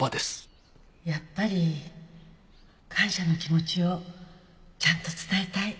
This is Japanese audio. やっぱり感謝の気持ちをちゃんと伝えたい。